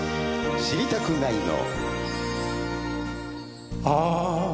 『知りたくないの』。